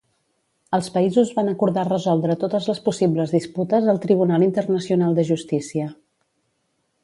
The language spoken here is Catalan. Els països van acordar resoldre totes les possibles disputes al Tribunal Internacional de Justícia.